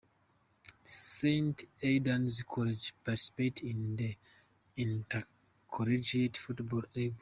Saint Aidan's College participate in the intercollegiate football league.